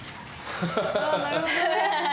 ああなるほどね。